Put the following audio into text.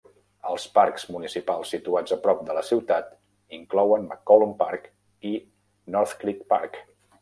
Els parcs municipals situats a prop de la ciutat inclouen McCollum Park i North Creek Park.